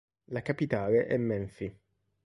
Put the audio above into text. La capitale è Menfi.